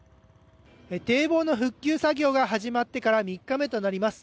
堤防の復旧作業が始まってから３日目となります。